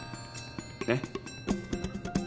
ねっ？